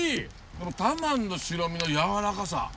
このタマンの白身のやわらかさ。